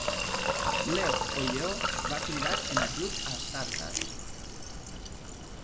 Lev o Lleó va cridar en ajut als tàtars.